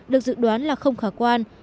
được dự đoán là không khả quan